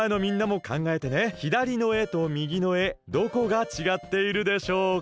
ひだりのえとみぎのえどこがちがっているでしょうか？